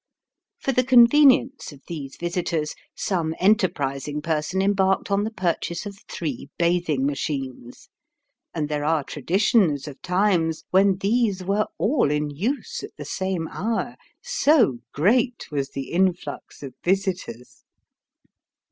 For the convenience of these visitors some enterprising person embarked on the purchase of three bathing machines, and there are traditions of times when these were all in use at the same hour so great was the influx of visitors.